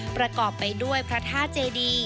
ประกอบไปด้วยพระธาตุเจดี